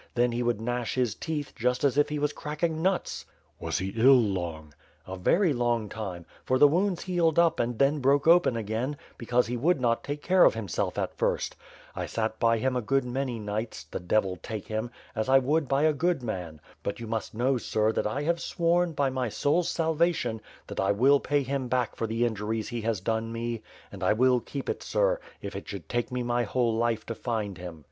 Then he would gnash his teeth, just as if he was cracking nuts." '^as he ill long?" 404 ^^^^^^^^^^^ flfiroiei). "A very long time; for the wounds healed up and then broke open again, because he would not take care of himself at first. I sat by him a good many nights, — ^the devil take him — ^as I would by a good man. But you must know, sir, that I have sworn, by my soul's salvation, that I will pay him back for the injuries he has done me, and I will keep it, sir, if it should take me my whole life to find him.